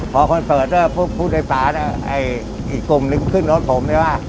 พอคอนเฟิร์ตพูดไฟฟ้าอีกกลุ่มนึงขึ้นรถผม